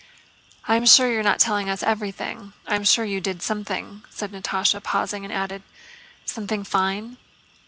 "I am sure you're not telling us everything; I am sure you did something..." said Natásha and pausing added, "something fine?"